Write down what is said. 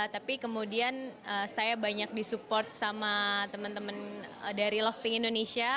tapi kemudian saya banyak disupport sama teman teman dari love pink indonesia